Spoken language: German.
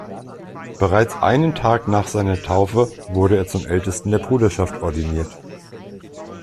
Bereits einen Tag nach seiner Taufe wurde er zum Ältesten der Bruderschaft ordiniert.